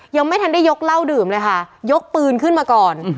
ยังไม่ทันได้ยกเหล้าดื่มเลยค่ะยกปืนขึ้นมาก่อน